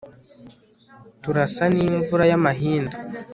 turasa n'imvura y'amahindu